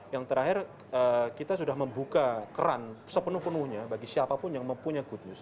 yang terakhir kita sudah membuka keran sepenuh penuhnya bagi siapapun yang mempunyai good news